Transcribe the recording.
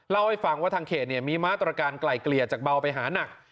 เล่าให้ฟังว่าทางเขตมีมาตรการไกลเกลี่ยจากเบาไปหานัก